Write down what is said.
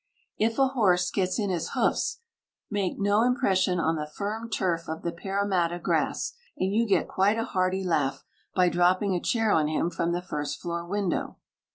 If a horse gets in his hoofs make no impression on the firm turf of the Parramatta grass, and you get quite a hearty laugh by dropping a chair on him from the first floor window.